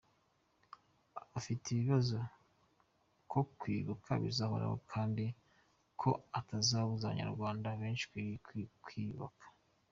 Afite ikibazo ko kwibuka bizahoraho kandi ko atazabuza Abanyarwanda benshi kwiyubaka.